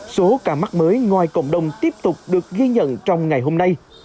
số ca mắc mới ngoài cộng đồng tiếp tục được ghi nhận trong ngày hôm nay